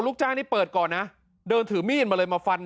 จ้างนี่เปิดก่อนนะเดินถือมีดมาเลยมาฟัน